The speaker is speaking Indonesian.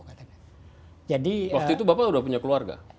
waktu itu bapak sudah punya keluarga